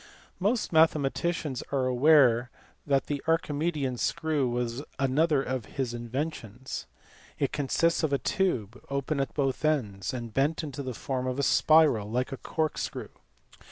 Most mathematicians are aware that the Archimedean screw was another of his inventions. It consists of a tube, open at both ends, and bent into the form of a spiral like a cork screw.